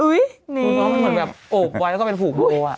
อื้มเหมือนแบบอดไว้แล้วก็เป็นผูกโบอ่ะ